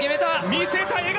見せた笑顔！